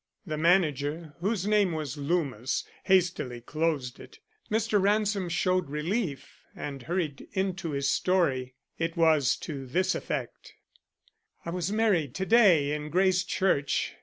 The manager, whose name was Loomis, hastily closed it. Mr. Ransom showed relief and hurried into his story. It was to this effect: "I was married to day in Grace Church.